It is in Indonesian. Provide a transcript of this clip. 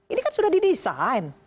ini kan sudah didesain